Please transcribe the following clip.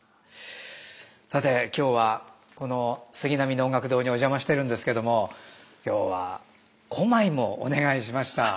さて今日はこの杉並能楽堂にお邪魔してるんですけども今日は小舞もお願いしました。